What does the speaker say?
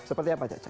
seperti apa caca